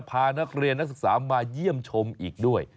พานักเรียนนักศึกษามาเยี่ยมชมอีกด้วย